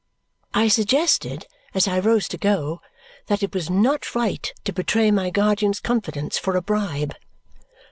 I suggested, as I rose to go, that it was not right to betray my guardian's confidence for a bribe.